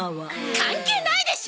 関係ないでしょ！